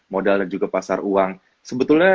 modal dan juga pasar uang sebetulnya